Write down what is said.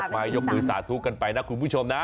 มายกมือสาธุกันไปนะคุณผู้ชมนะ